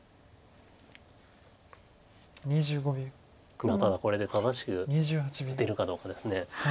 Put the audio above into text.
黒ただこれで正しく打てるかどうかです。